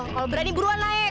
kalo berani buruan naik